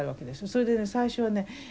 それでね最初はね